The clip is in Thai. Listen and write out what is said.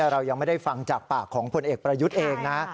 เรายังไม่ได้ฟังจากปากของพลเอกประยุทธ์เองนะ